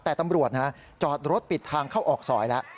แต่ตำรวจนะจอดรถปิดทางเข้าออกซอยแล้ว